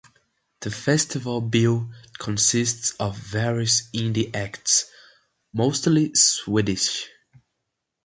The festival bill consists of various indie acts, mostly Swedish.